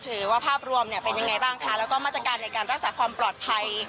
หรือว่าภาพรวมเนี่ยเป็นยังไงบ้างคะแล้วก็มาตรการในการรักษาความปลอดภัย